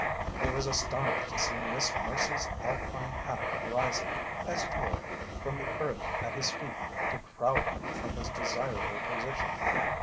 He was astonished to see Miss Mercy's alpine hat rising, as it were, from the earth at his feet to crowd him from his desirable position.